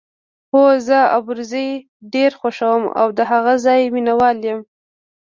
هو، زه ابروزي ډېره خوښوم او د هغه ځای مینه وال یم.